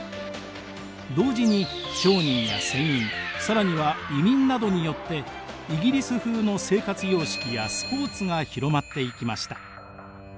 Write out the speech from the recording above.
同時に商人や船員更には移民などによってイギリス風の生活様式やスポーツが広まっていきました。